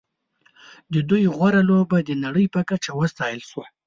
د دوی غوره لوبه د نړۍ په کچه وستایل شوه.